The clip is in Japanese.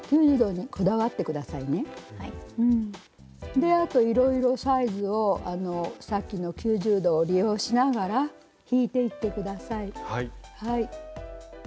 であといろいろサイズをさっきの９０度を利用しながら引いていって下さい。